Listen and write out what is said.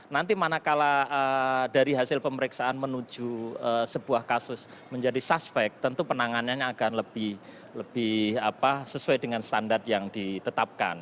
nanti manakala dari hasil pemeriksaan menuju sebuah kasus menjadi suspek tentu penanganannya akan lebih sesuai dengan standar yang ditetapkan